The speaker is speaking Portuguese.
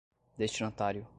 destinatário